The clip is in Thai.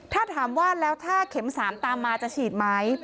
ถ้าถามว่าแล้วถ้าเข็ม๓ตามมาจะฉีดไหม